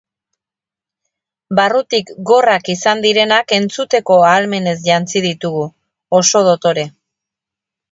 Barrutik gorrak izan direnak entzuteko ahalmenaz jantzi ditugu, oso dotore.